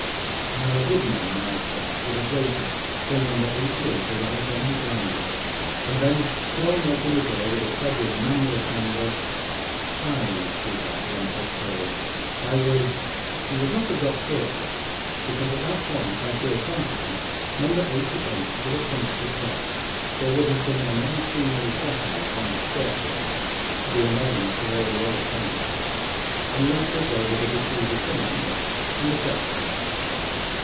Now a good man in my place would have waited till number Eighty eight arrived on his landing, and then, throwing open the door would have said with manly candour— "I threw that lump of coal. I was—," He would not have got further, because at that point, I feel confident, number Eighty—eight would have punched his head. There would have been an unseemly fracas on the staircase, to the annoyance of all the other tenants and later, there would have issued a summons and a cross summons.